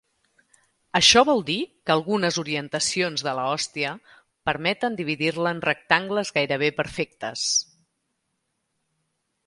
Això vol dir que algunes orientacions de la hòstia permeten dividir-la en rectangles gairebé perfectes.